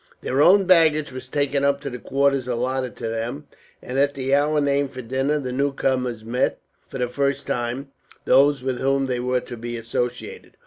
Their own baggage was taken up to the quarters allotted to them, and at the hour named for dinner the newcomers met, for the first time, those with whom they were to be associated.